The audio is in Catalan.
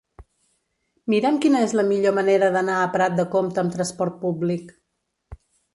Mira'm quina és la millor manera d'anar a Prat de Comte amb trasport públic.